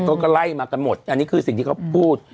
เขาก็ไล่มากันหมดอันนี้คือสิ่งที่เขาพูด